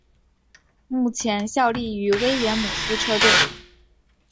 目前效力于威廉姆斯车队。